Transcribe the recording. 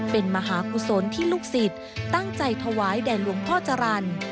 เป็นมหากุศลที่ลูกศิษย์ตั้งใจถวายแด่หลวงพ่อจรรย์